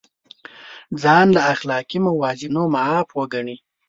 ځان له اخلاقي موازینو معاف وګڼي.